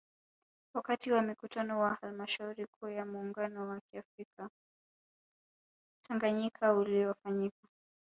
Wakati wa Mkutano wa Halmashauri Kuu ya muungano wa kiafrika Tanganyika uliofanyika